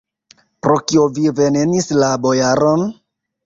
Pro kio vi venenis la bojaron?